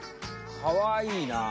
かわいいな。